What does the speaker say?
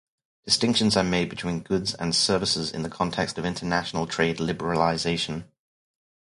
Distinctions are made between goods and services in the context of international trade liberalization.